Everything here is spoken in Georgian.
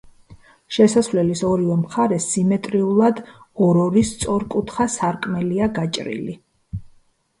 შესასვლელის ორივე მხარეს, სიმეტრიულად ორ-ორი სწორკუთხა სარკმელია გაჭრილი.